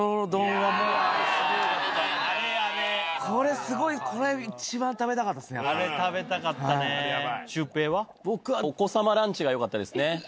これすごい。あれ食べたかったね。